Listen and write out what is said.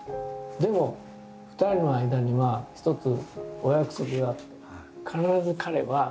でも２人の間には一つお約束があって。